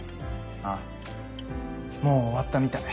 ああもう終わったみたい。